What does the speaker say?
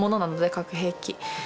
核兵器。